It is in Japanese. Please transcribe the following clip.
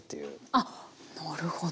あなるほど。